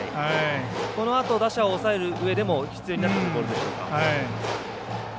このあと打者を抑えるうえでも必要になってくるボールですね。